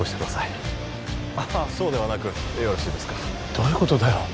あっそうではなくよろしいですかどういうことだよ？